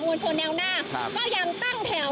วลชนแนวหน้าก็ยังตั้งแถว